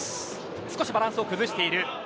少しバランスを崩している。